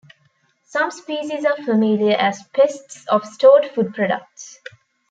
Some species are familiar as pests of stored food products.